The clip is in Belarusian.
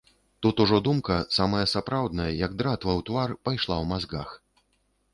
Тут ужо думка, самая сапраўдная, як дратва ў тавар, пайшла ў мазгах.